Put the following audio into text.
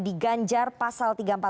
diganjar pasal tiga ratus empat puluh lima